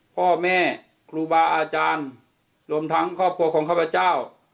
พ่อแม่ครูบาอาจารย์รวมทั้งครอบครัวของข้าพเจ้า